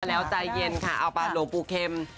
แล้วใจเย็นค่ะเอาป่าโหลบปูเค็ม